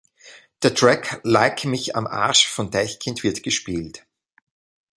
Der Track "Like mich am Arsch" von Deichkind wird gespielt.